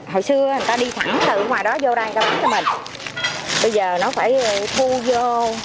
hồi xưa người ta đi thẳng từ ngoài đó vô đây người ta bán cho mình bây giờ nó phải thu vô